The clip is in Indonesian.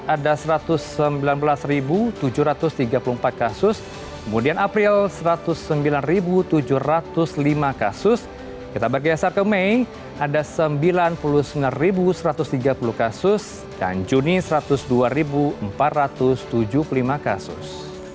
ada satu ratus sembilan belas tujuh ratus tiga puluh empat kasus kemudian april satu ratus sembilan tujuh ratus lima kasus kita bergeser ke mei ada sembilan puluh sembilan satu ratus tiga puluh kasus dan juni satu ratus dua empat ratus tujuh puluh lima kasus